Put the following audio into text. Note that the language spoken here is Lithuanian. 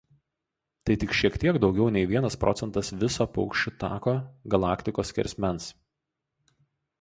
Tai tik šiek tiek daugiau nei vienas procentas viso Paukščių Tako galaktikos skersmens.